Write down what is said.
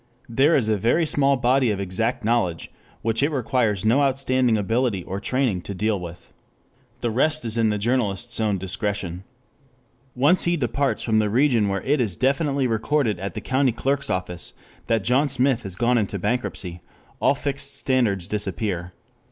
There is a very small body of exact knowledge, which it requires no outstanding ability or training to deal with. The rest is in the journalist's own discretion. Once he departs from the region where it is definitely recorded at the County Clerk's office that John Smith has gone into bankruptcy, all fixed standards disappear.